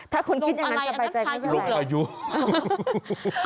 ถ้าคุณคิดอย่างนั้นก็ประใจไม่ได้เลยโอ้โฮลมอะไรอันนั้นคลายลูกหรือ